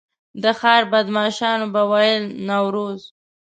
د ښار بدمعاشانو به ویل نوروز.